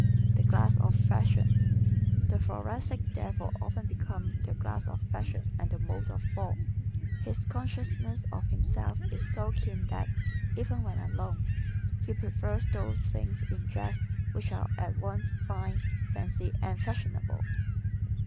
The Glass of Fashion ¶ The Thoracic therefore often becomes "the glass of fashion and the mold of form." His consciousness of himself is so keen that, even when alone, he prefers those things in dress which are at once fine, fancy and fashionable.